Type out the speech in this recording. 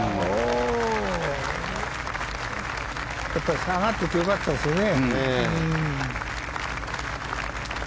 やっぱり下がってて良かったですね。